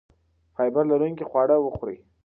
فایبر لرونکي خواړه وخورئ.